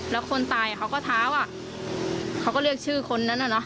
แล้วคนตายเขาก็เท้าอ่ะเขาก็เรียกชื่อคนนั้นน่ะเนอะ